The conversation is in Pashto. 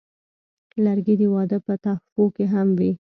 لرګی د واده په تحفو کې هم وي.